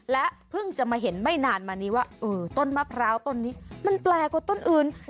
และเพิ่งจะมาเห็นไม่นานมานี้ว่าต้นมะพร้าวต้นนี้มันแปลกกว่าต้นอื่น